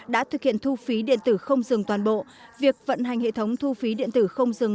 đã thực hiện thu phí điện tử không dừng toàn bộ việc vận hành hệ thống thu phí điện tử không dừng